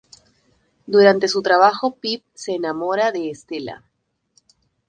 Durante su trabajo Pip se enamora de Estella.